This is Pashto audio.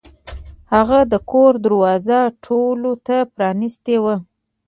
هغه د کور دروازه ټولو ته پرانیستې وه.